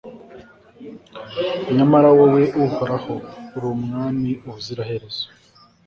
nyamara wowe, uhoraho, uri umwami ubuziraherezo